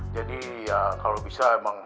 jadi kalau bisa emang